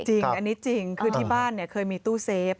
จริงอันนี้จริงคือที่บ้านเคยมีตู้เซฟ